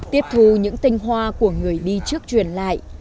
tiếp thu những tinh hoa của người đi trước truyền lại